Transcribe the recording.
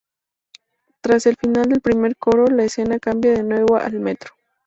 Tras el final del primer coro, la escena cambia de nuevo al metro.